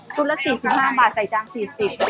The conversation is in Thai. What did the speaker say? ละ๔๕บาทใส่จาน๔๐บาท